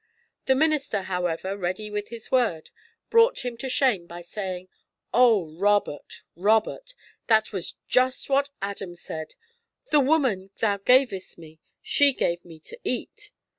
The minister, however, ready with his word, brought him to shame by saying, 'O Robert, Robert, that was just what Adam said, "The woman Thou gavest me, she gave me to eat!"'